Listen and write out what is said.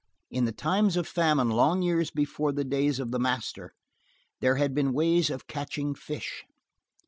In the times of famine long years before the days of the master there had been ways of catching fish.